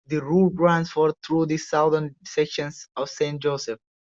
The route runs for through the southern sections of Saint Joseph.